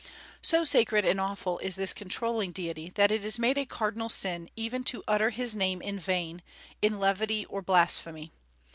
So sacred and awful is this controlling Deity, that it is made a cardinal sin even to utter His name in vain, in levity or blasphemy.